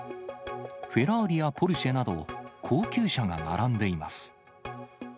フェラーリやポルシェなど、高級車が並んでいます。